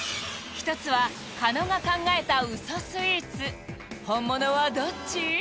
一つは狩野が考えたウソスイーツ本物はどっち？